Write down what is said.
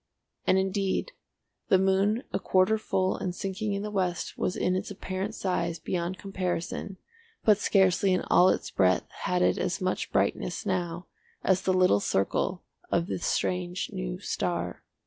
And, indeed the moon a quarter full and sinking in the west was in its apparent size beyond comparison, but scarcely in all its breadth had it as much brightness now as the little circle of the strange new star.